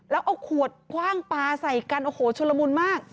แล้วเอาขวดคว่างปลาใส่กันโอ้โหชุลมุนมาก